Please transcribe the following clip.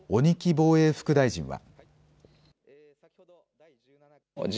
防衛副大臣は。